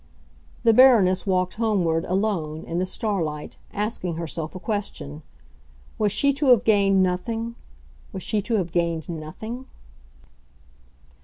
The Baroness walked homeward, alone, in the starlight, asking herself a question. Was she to have gained nothing—was she to have gained nothing?